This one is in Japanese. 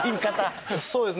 そうですね